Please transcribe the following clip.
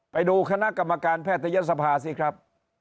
ไปดูคณะกรรมการแพทยศภาสิครับ